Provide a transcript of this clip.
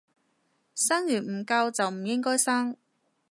生完唔教就唔應該生